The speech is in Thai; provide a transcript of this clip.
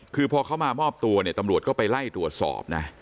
คือพอเขามามอบตัวเนี่ยตำรวจก็ไปไล่ตรวจสอบนะ